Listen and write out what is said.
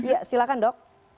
ya silakan dok